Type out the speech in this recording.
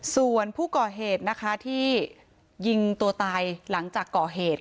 ส่วนผู้ก่อเหตุนะคะที่ยิงตัวตายหลังจากก่อเหตุ